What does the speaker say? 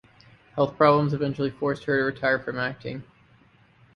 Health problems eventually forced her to retire from acting.